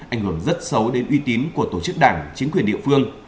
ảnh hưởng rất xấu đến uy tín của tổ chức đảng chính quyền địa phương